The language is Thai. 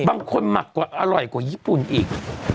หมักกว่าอร่อยกว่าญี่ปุ่นอีก